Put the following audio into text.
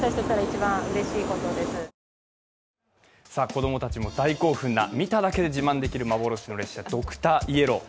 子供たちも大興奮な、見ただけで自慢できる幻の列車、ドクターイエロー。